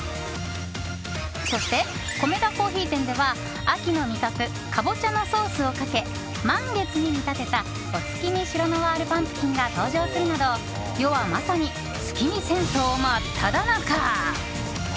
そして、コメダ珈琲店では秋の味覚カボチャのソースをかけ満月に見立てたお月見シロノワールパンプキンが登場するなど世は、まさに月見戦争真っただ中！